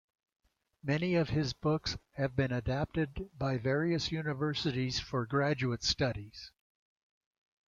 Many of his books have been adopted by various universities for graduate studies.